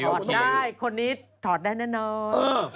ได้คนนี้ถอดได้แน่นอน